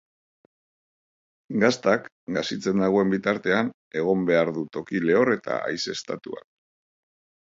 Gaztak, gazitzen dagoen bitartean, egon behar du toki lehor eta haizeztatuan.